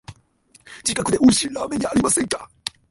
近くでおいしいラーメン屋ありませんか？